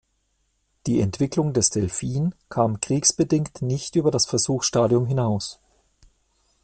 Die Entwicklung des Delphin kam kriegsbedingt nicht über das Versuchsstadium hinaus.